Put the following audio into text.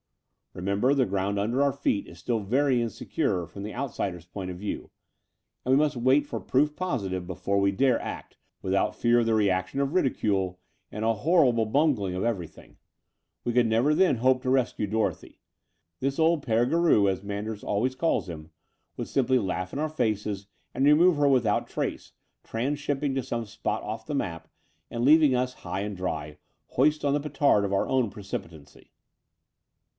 Remember, the ground under otu' feet is still very insecure from the out sider's point of view; and we must wait for proof positive before we dare act without fear of the reaction of ridicule and a horrible bungling of The Dower House 265 everything. We could never then hope to rescue Dorothy. This old P6re Garou, as Manders al ways calls him, would simply laugh in our faces and remove her without trace, transhipping to some spot oflf the map, and leaving us high and dry, hoist on the petard of our own precipi tancy."